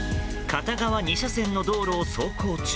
片側２車線の道路を走行中